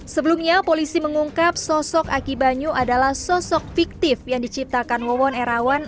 sebelumnya polisi mengungkap sosok aki banyu adalah sosok fiktif yang diciptakan wawon erawan